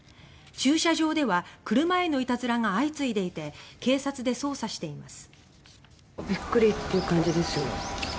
駐車場では車へのいたずらが相次いでいて警察で捜査しています。